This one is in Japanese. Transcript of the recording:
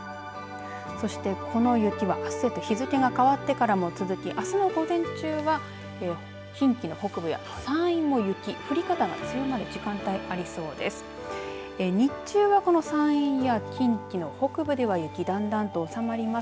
そしてこの雪はあすへと日付が変わってからも続き、あすの午前中からは近畿の北部や山陰も雪降り方が強まる時間帯ありそうです。